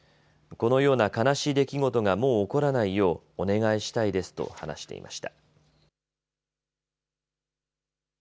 このような悲しい出来事がもう起こらないようお願いしたいですと話していました。